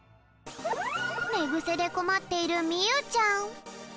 ねぐせでこまっているみゆちゃん。